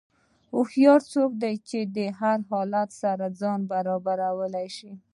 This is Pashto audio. هوښیار څوک دی چې د هر حالت سره ځان برابرولی شي.